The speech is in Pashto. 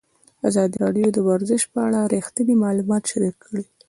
ازادي راډیو د ورزش په اړه رښتیني معلومات شریک کړي.